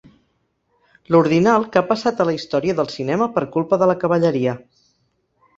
L'ordinal que ha passat a la història del cinema per culpa de la cavalleria.